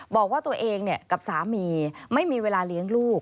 บอกว่าตัวเองกับสามีไม่มีเวลาเลี้ยงลูก